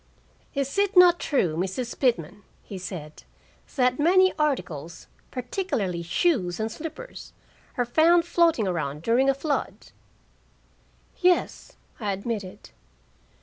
"Is it not true, Mrs. Pitman," he said, "that many articles, particularly shoes and slippers, are found floating around during a flood?" "Yes," I admitted.